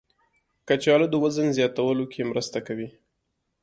کچالو د وزن زیاتولو کې مرسته کوي.